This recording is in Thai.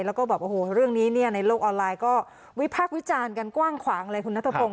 แล้วก็เรื่องนี้ในโลกออนไลน์ก็วิพักวิจารณ์กันกว้างขวางเลยคุณนัททะพง